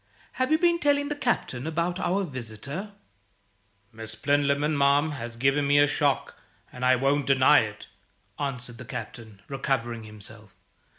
"Have you been telling the Captain about our visitor?" "Miss Plinlimmon, ma'am, has given me a shock, and I won't deny it," answered the Captain, recovering himself.